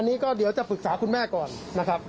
อันนี้ก็เดี๋ยวจะปรึกษาคุณแม่ก่อนนะครับ